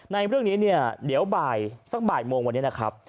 ในเรื่องนี้เนี่ยเดี๋ยวบ่ายสักบ่ายโมงวันนี้นะครับ